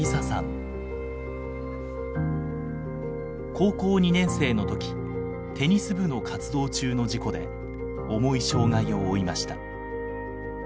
高校２年生の時テニス部の活動中の事故で重い障害を負いました。